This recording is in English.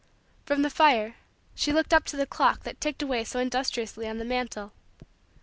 From the fire, she looked up to the clock that ticked away so industriously on the mantle.